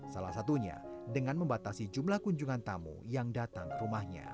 salah satunya dengan membatasi jumlah kunjungan tamu yang datang ke rumahnya